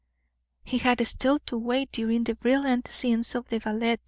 He had still to wait during the brilliant scenes of the ballet.